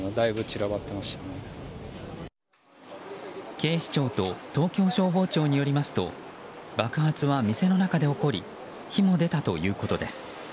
警視庁と東京消防庁によりますと爆発は店の中で起こり火も出たということです。